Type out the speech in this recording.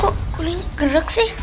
kok kulitnya gerak sih